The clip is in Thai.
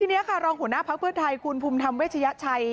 ทีนี้ค่ะรองหัวหน้าพักเพื่อไทยคุณภูมิธรรมเวชยชัย